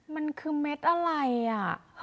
มันคือเม็ดอะไรอ่ะ